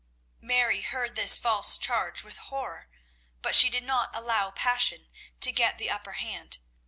Mary heard this false charge with horror, but she did not allow passion to get the upper hand.